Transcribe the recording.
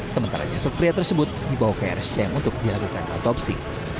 sementara jasad pria tersebut dibawa ke rscm untuk dilakukan otopsi